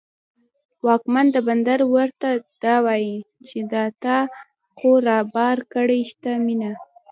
واکمن د بندر ورته دا وايي، چې دا تا خو رابار کړې تشه مینه